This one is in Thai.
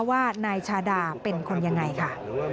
ว่านายชาดาเป็นคนยังไงค่ะ